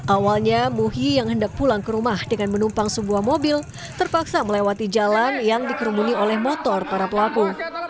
awalnya muhi yang hendak pulang ke rumah dengan menumpang sebuah mobil terpaksa melewati jalan yang dikerumuni oleh motor para pelaku